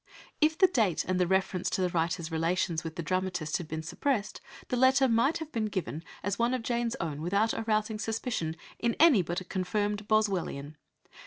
If the date and the reference to the writer's relations with the dramatist had been suppressed the letter might have been given as one of Jane's own without arousing suspicion in any but a confirmed "Boswellian."